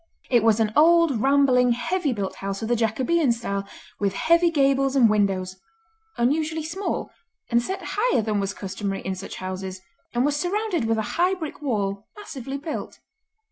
It was an old rambling, heavy built house of the Jacobean style, with heavy gables and windows, unusually small, and set higher than was customary in such houses, and was surrounded with a high brick wall massively built.